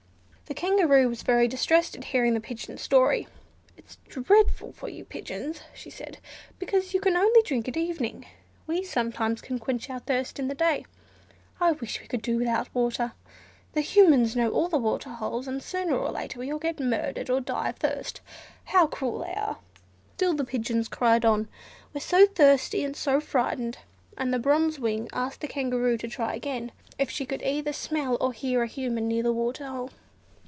The Kangaroo was very distressed at hearing the pigeon's story. "It is dreadful for you pigeons," she said, "because you can only drink at evening; we sometimes can quench our thirst in the day. I wish we could do without water! The Humans know all the water holes, and sooner or later we all get murdered, or die of thirst. How cruel they are!" Still the pigeons cried on, "we're so thirsty and so frightened;" and the Bronze Wing asked the Kangaroo to try again, if she could either smell or hear a Human near the water hole.